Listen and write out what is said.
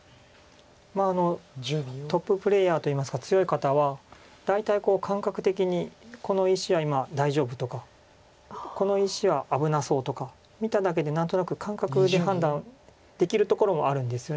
トッププレーヤーといいますか強い方は大体感覚的に「この石は今大丈夫」とか「この石は危なそう」とか見ただけで何となく感覚で判断できるところもあるんですよね。